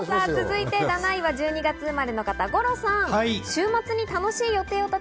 ７位は１２月生まれの方、五郎さんです。